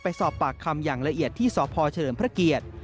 สอบปากคำอย่างละเอียดที่สพเฉลิมพระเกียรติ